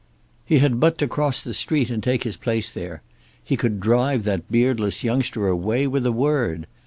He had but to cross the street and take his place there. He could drive that beardless youngster away with a word.